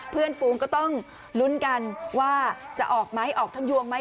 ฟูงก็ต้องลุ้นกันว่าจะออกไหมออกทั้งยวงไหม